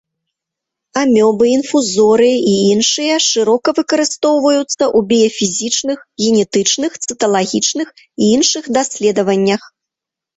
Амёбы, інфузорыі і іншыя шырока выкарыстоўваюцца ў біяфізічных, генетычных, цыталагічных і іншых даследаваннях.